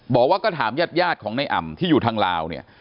บอกว่าก็ถามญาติของในอ่ำที่อยู่ทางลาวเนี่ย